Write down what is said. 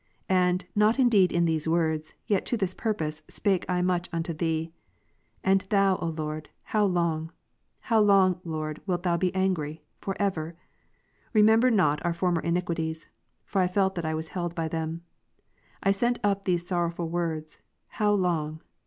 And, not indeed in these words, yet to this purpose, spake I much unto Thee : And Thou, Lord, hoiv long ? how long, p ' ik Lord, loilt Thou be angry, for ever? Remember not our5.S. former iniquities, for I felt that I was held by them. I sent up these sorrowful words ; How long